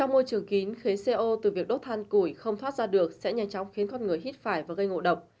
một con củi không thoát ra được sẽ nhanh chóng khiến con người hít phải và gây ngộ độc